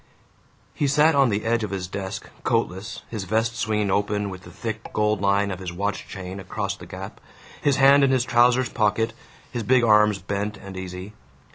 He sat on the edge of his desk, coatless, his vest swinging open with the thick gold line of his watch chain across the gap, his hands in his trousers pockets, his big arms bent and easy.